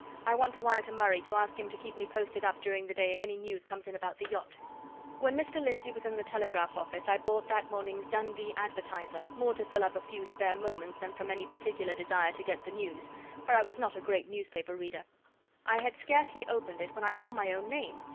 I want to wire to Murray, to ask him to keep me posted up during today if any news comes in about the yacht." When Mr. Lindsey was in the telegraph office, I bought that morning's Dundee Advertiser, more to fill up a few spare moments than from any particular desire to get the news, for I was not a great newspaper reader. I had scarcely opened it when I saw my own name.